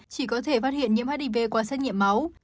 chỉ có thể phát hiện nhiễm hiv qua xét nghiệm máu